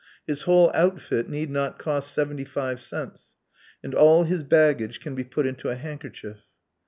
His whole outfit need not cost seventy five cents; and all his baggage can be put into a handkerchief.